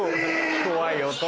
怖い音。